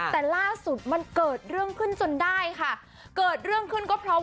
แต่ล่าสุดมันเกิดเรื่องขึ้นจนได้ค่ะเกิดเรื่องขึ้นก็เพราะ